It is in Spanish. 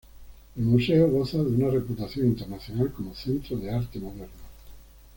El museo goza de una reputación internacional como centro de arte moderno.